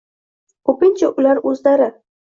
Ko‘pincha ular o‘zlari